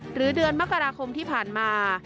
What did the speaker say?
เดือนมกราคมที่ผ่านมา